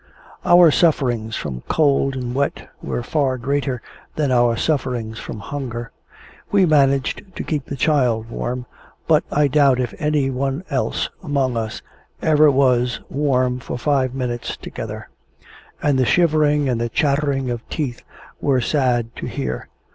Our sufferings from cold and wet were far greater than our sufferings from hunger. We managed to keep the child warm; but, I doubt if any one else among us ever was warm for five minutes together; and the shivering, and the chattering of teeth, were sad to hear.